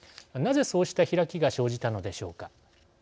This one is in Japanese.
なぜ、そうした開きが生じたのでしょうか。